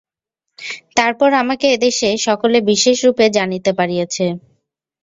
তারপর আমাকে এ দেশে সকলে বিশেষরূপে জানিতে পারিয়াছে।